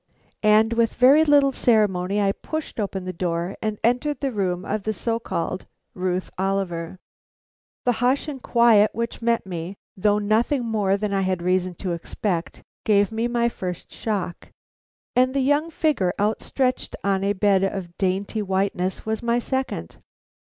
And with very little ceremony I pushed open the door and entered the room of the so called Ruth Oliver. The hush and quiet which met me, though nothing more than I had reason to expect, gave me my first shock, and the young figure outstretched on a bed of dainty whiteness, my second.